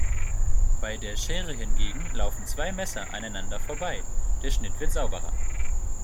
Bei der Schere hingegen laufen zwei Messer aneinander vorbei, der Schnitt wird sauberer.